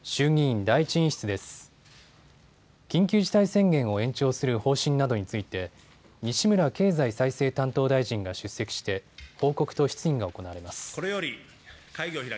緊急事態宣言を延長する方針などについて、西村経済再生担当大臣が出席して、報告と質疑が行われます。